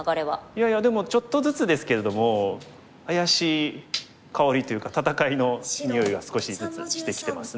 いやいやでもちょっとずつですけれども怪しい香りというか戦いのにおいが少しずつしてきてますね。